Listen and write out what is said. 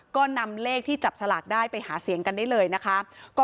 ก็นำเลขที่จับสลากได้ไปหาเสียงกันได้เลยนะคะ